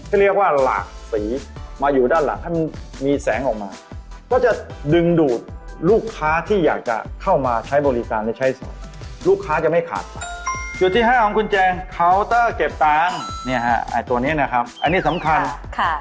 เก็บตังค์เนี่ยฮะตัวเนี้ยนะครับอันนี้สำคัญค่ะ